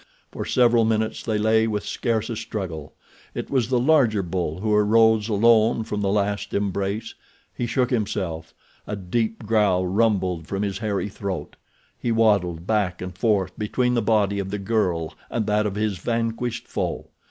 For several minutes they lay with scarce a struggle. It was the larger bull who arose alone from the last embrace. He shook himself. A deep growl rumbled from his hairy throat. He waddled back and forth between the body of the girl and that of his vanquished foe.